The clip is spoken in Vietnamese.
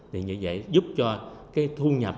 thì như vậy giúp cho cái thu nhập